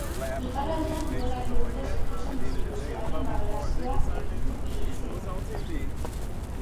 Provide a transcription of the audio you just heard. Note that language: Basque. Iparraldean duela bi urte sortu zen instituzioaren balorazioa egin du iritzi-emaileak.